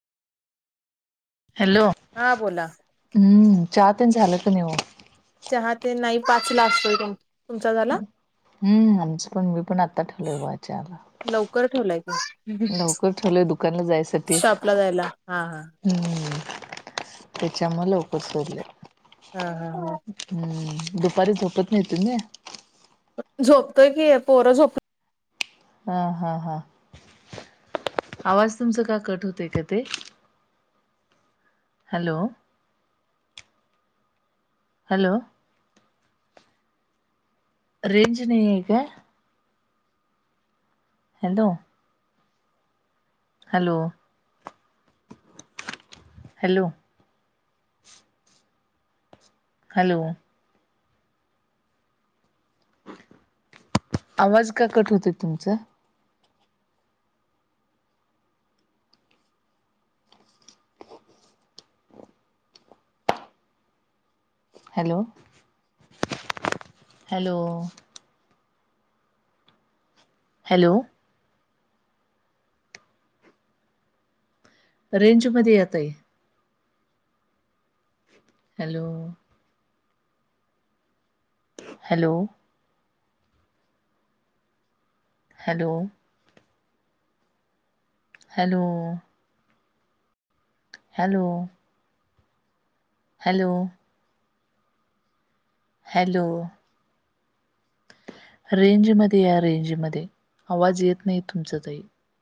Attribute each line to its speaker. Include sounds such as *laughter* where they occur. Speaker 1: Hello
Speaker 2: हा बोला
Speaker 1: हम्म चहा तेण झालंत नाही वो
Speaker 2: चहा ते नाही पाच ला असत
Speaker 1: हम्म आमचं पण मी पण आता ठेवलय वाच्याला
Speaker 2: लवकर ठेवलाय का
Speaker 1: ठेवलंय दुकानला जायसाठी
Speaker 2: शॉपला जायला हा हा
Speaker 1: हम्म त्याच मुलं लवकर *inaudible*
Speaker 2: हा हम ह
Speaker 1: हम्म दुपारी झोपत नाही तुम्ही
Speaker 2: झोपतोय की पोरं झोपत
Speaker 1: हा हा हा आवाज तुमच का कट होतय का ते हॅलो हॅलो रेंज नाही आहे का हॅलो हॅलो हॅलो हॅलो आवाज का कट होते तुमचं हॅलो हॅलो हॅलो. रेंज मध्ये या ताई. Hello. Hello. Hello. Hello. Hello. Hello. Hello. रेंजमध्ये या रेंजमध्ये आवाज येत नाही तुमचं ताई.